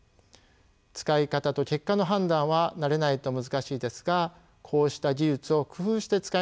使い方と結果の判断は慣れないと難しいですがこうした技術を工夫して使いながら感染拡大をいち早く防止し